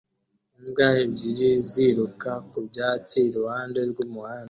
Imbwa ebyiri ziruka mu byatsi iruhande rw'umuhanda